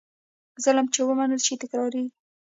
ظلم چې ومنل شي، تکرارېږي.